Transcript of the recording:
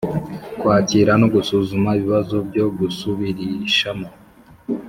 Kwakira no gusuzuma ibibazo byo gusubirishamo